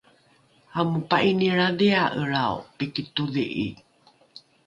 amopa’inilradhia’elrao piki todhi’i